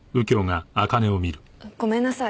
ごめんなさい。